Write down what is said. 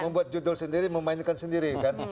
membuat judul sendiri memainkan sendiri kan